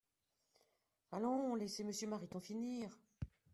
Allons, laissez Monsieur Mariton finir